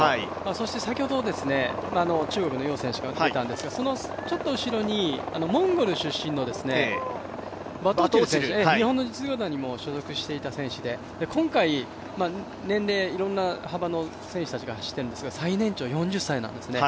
そして、先ほど中国の楊選手が出たんですがその後ろにモンゴル出身のバトオチル選手、日本の実業団にも所属していた選手で今回、年齢いろんな幅の選手たちが走っているんですが最年長４０歳なんですよね